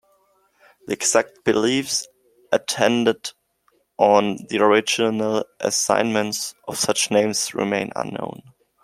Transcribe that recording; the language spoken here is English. The exact beliefs attendant on the original assignment of such names remain unknown.